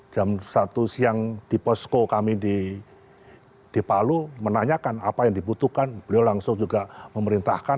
jam satu siang di posko kami di palu menanyakan apa yang dibutuhkan beliau langsung juga memerintahkan